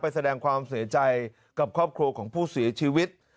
แสดงความเสียใจกับครอบครัวของผู้เสียชีวิต